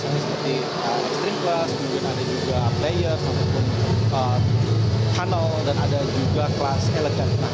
ada seperti extreme class mungkin ada juga player ataupun tunnel dan ada juga kelas elegan